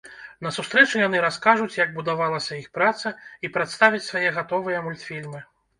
На сустрэчы яны раскажуць, як будавалася іх праца, і прадставяць свае гатовыя мультфільмы.